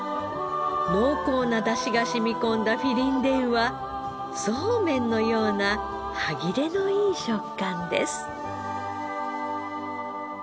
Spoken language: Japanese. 濃厚な出汁が染み込んだフィリンデウはそうめんのような歯切れのいい食感です。